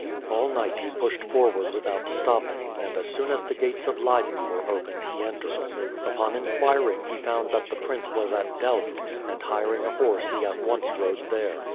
All night he pushed forward without stopping, and as soon as the gates of Leyden were opened he entered. Upon inquiring he found that the prince was at Delft, and hiring a horse he at once rode there.